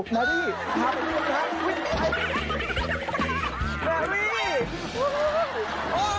มานี่ท้าไปด้วยมั้งนะ